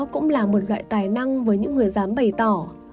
cũng là một loại tài năng với những người dám bày tỏ